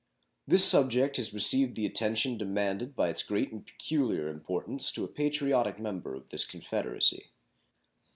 This subject has received the attention demanded by its great and peculiar importance to a patriotic member of this Confederacy.